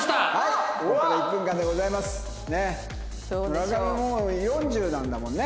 村上もう４０なんだもんね。